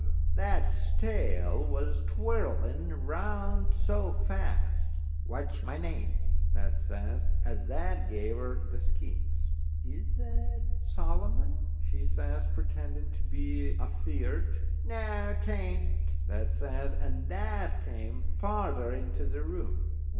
that's tail was twirling round so fast. "What's my name?" that says, as that gave her the skeins. "Is that Solomon?" she says, pretending to be afeard. "Noo, 'tain't," that says, and that came farther into the room.